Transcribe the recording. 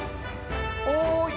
おい！